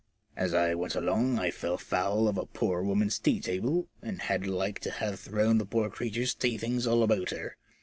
As I went along I fell foul of a poor woman's tea table, and had like to have thrown the poor creature's tea things all about her.